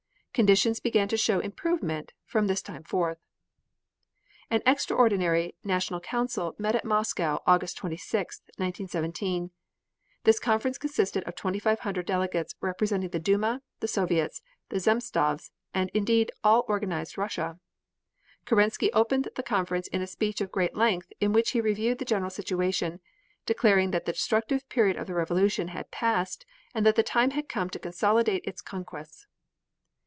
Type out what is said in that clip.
Conditions began to show improvement from this time forth. An extraordinary National Council met at Moscow August 26th, 1917. This conference consisted of 2,500 delegates representing the Duma, the Soviets, the Zemstvos, and indeed all organized Russia. Kerensky opened the conference in a speech of great length in which he reviewed the general situation, declaring that the destructive period of the Revolution had past and that the time had come to consolidate its conquests.